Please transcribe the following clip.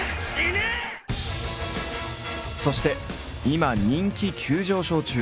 そして今人気急上昇中。